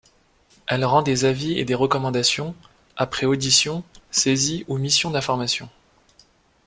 Elle rend des avis et des recommandations, après audition, saisie ou missions d'information.